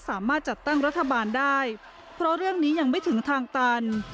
สามารถจัดตั้งรัฐบาลได้เพราะเรื่องนี้ยังไม่ถึงทางตัน